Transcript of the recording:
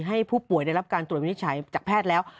ให้ผู้ป่วยได้รับการตรวจวินิจฉัยจากแพทย์แล้ว